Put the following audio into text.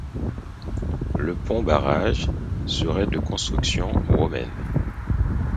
Le pont-barrage serait de construction romaine.